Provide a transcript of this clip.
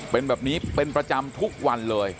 เป็นแบบนี้เป็นประจำทุกวันเลย